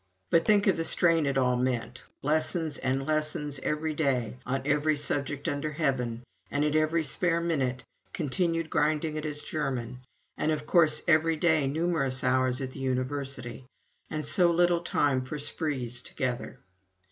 But think of the strain it all meant lessons and lessons every day, on every subject under heaven, and in every spare minute continued grinding at his German, and, of course, every day numerous hours at the University, and so little time for sprees together.